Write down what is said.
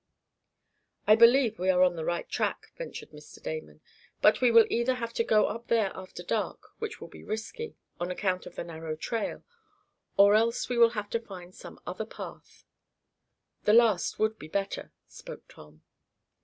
"I believe we are on the right track," ventured Mr. Damon, "but we will either have to go up there after dark, which will be risky, on account of the narrow trail, or else we will have to find some other path." "The last would be better," spoke Tom.